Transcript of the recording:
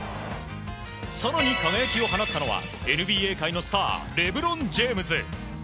更に、輝きを放ったのはＮＢＡ界のスターレブロン・ジェームズ。